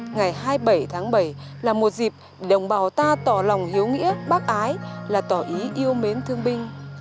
ngày hai mươi bảy tháng bảy là một dịp đồng bào ta tỏ lòng hiếu nghĩa bác ái là tỏ ý yêu mến thương binh